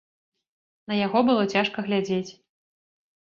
На яго было цяжка глядзець.